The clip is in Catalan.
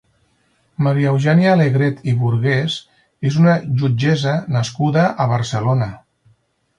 Maria Eugènia Alegret i Burgués és una jutgessa nascuda a Barcelona.